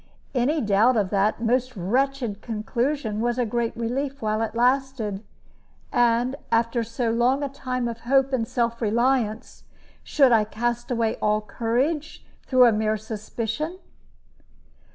Any doubt of that most wretched conclusion was a great relief while it lasted; and, after so long a time of hope and self reliance, should I cast away all courage through a mere suspicion?